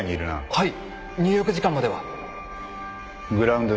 はい！